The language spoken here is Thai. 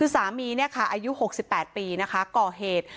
สามีอายุ๖๘ปีนะคะก่อเหตุ